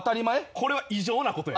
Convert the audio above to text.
これは異常なことや。